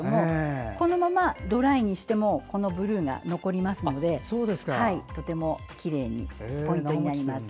このままドライにしてもブルーが残りますのでとてもきれいにポイントになります。